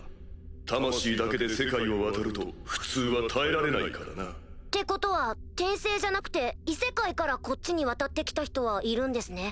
魂だけで世界を渡ると普通は耐えられないからな。ってことは転生じゃなくて異世界からこっちに渡ってきた人はいるんですね？